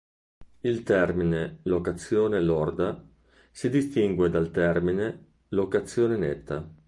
Il termine "locazione lorda" si distingue dal termine "locazione netta".